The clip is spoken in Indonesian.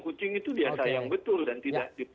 kucing itu dia sayang betul dan tidak